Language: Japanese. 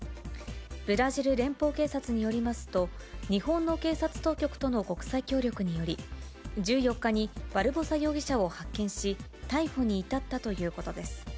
ブラジル連邦警察によりますと、日本の警察当局との国際協力により、１４日にバルボサ容疑者を発見し、逮捕に至ったということです。